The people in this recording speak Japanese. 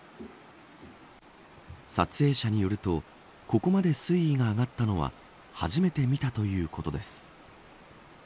撮影者によるとここまで水位が上がったのは初めて見たということです。